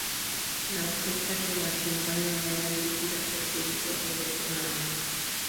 La orquesta que la acompañaba era dirigida por su hijo, Alberto Naranjo.